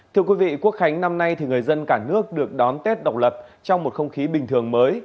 thưa quý vị quốc khánh năm nay thì người dân cả nước được đón tết độc lập trong một không khí bình thường mới